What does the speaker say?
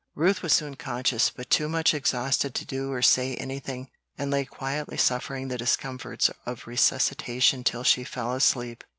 Ruth was soon conscious, but too much exhausted to do or say anything, and lay quietly suffering the discomforts of resuscitation till she fell asleep.